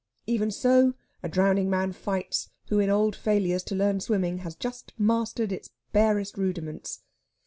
Even so a drowning man fights who in old failures to learn swimming has just mastered its barest rudiments.